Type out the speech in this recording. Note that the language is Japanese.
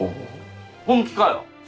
本気かよ？